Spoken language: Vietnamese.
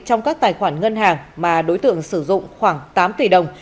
trong các tài khoản ngân hàng mà đối tượng sử dụng khoảng tám tỷ đồng